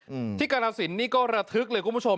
อืมที่กรสินนี่ก็ระทึกเลยคุณผู้ชม